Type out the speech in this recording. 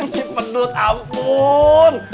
si pendut ampun